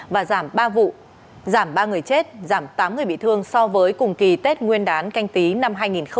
và giảm ba vụ giảm ba người chết giảm tám người bị thương so với cùng kỳ tết nguyên đán canh tí năm hai nghìn hai mươi